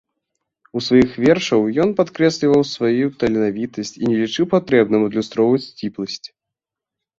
У сваіх вершаў ён падкрэсліваў сваю таленавітасць і не лічыў патрэбным адлюстроўваць сціпласць.